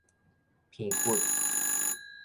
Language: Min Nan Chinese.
鼻骨